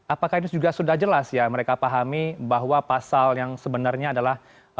apakah ini juga sudah jelas ya mereka pahami bahwa pasal yang sebenarnya adalah